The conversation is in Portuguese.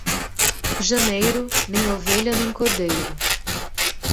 Janeiro, nem ovelha nem cordeiro.